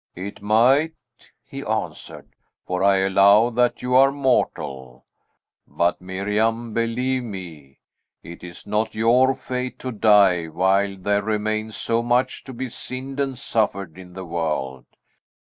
"It might," he answered; "for I allow that you are mortal. But, Miriam, believe me, it is not your fate to die while there remains so much to be sinned and suffered in the world.